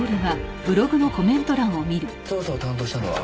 捜査を担当したのは？